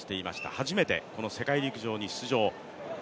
初めてこの世界陸上に出場。